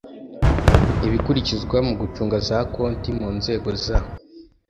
Ibikurikizwa mu gucunga za konti mu nzego za